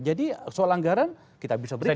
jadi soal anggaran kita bisa berikan